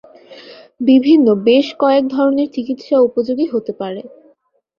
বিভিন্ন বেশ কয়েক ধরনের চিকিৎসা উপযোগী হতে পারে।